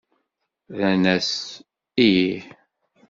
Rran-as: Ih!